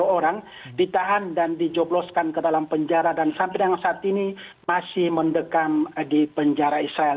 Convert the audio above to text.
sepuluh orang ditahan dan dijobloskan ke dalam penjara dan sampai dengan saat ini masih mendekam di penjara israel